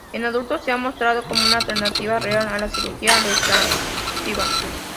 En adultos se ha mostrado como una alternativa real a la cirugía refractiva.